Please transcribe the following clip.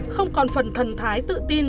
không còn phần thần thái tự tin